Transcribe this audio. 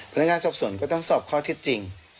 นักงานสอบสวนก็ต้องสอบข้อเท็จจริง